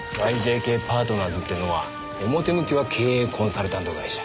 ＹＪＫパートナーズっていうのは表向きは経営コンサルタント会社。